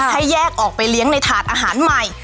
ให้แยกออกไปเลี้ยงในถาดอาหารใหม่